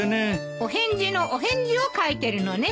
お返事のお返事を書いてるのね。